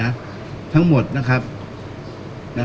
การสำรรค์ของเจ้าชอบใช่